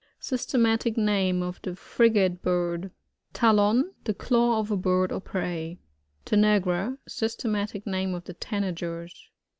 Syate. matic name of the Frigate bird. Talon.— The claw of a bird of prey. Tanaosa. — Systematic name of the Tanagers.